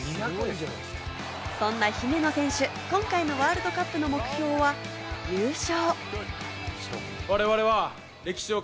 そんな姫野選手、今回のワールドカップの目標は優勝。